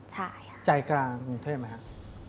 ใช่ใจกลางกรุงเทพมั้ยครับ